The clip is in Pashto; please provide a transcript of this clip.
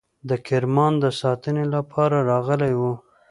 د کرمان د ساتنې لپاره راغلي وه.